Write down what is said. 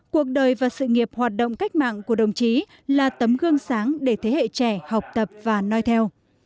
cuộc đời và sự nghiệp hoạt động cách mạng của đồng chí là tấm gương sáng để thế hệ trẻ học tập và nói theo